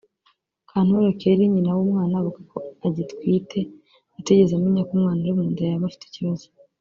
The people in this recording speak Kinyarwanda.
Kantore Kelly nyina w’umwana avuga ko agitwite atigeze amenya ko umwana uri mu nda yaba afite ikibazo